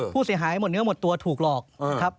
ผู้เสียหายหมดเนื้อหมดตัวถูกหลอกครับ